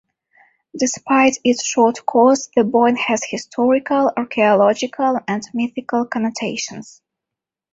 Despite its short course, the Boyne has historical, archaeological and mythical connotations.